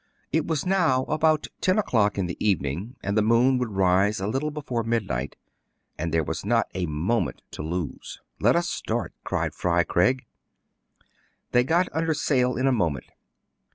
It was now about ten o'clock in the evening, and the moon would rise a little before midnight, and there was not a moment to lose. Let us start," cried Fry Craig. They got under sail in a moment.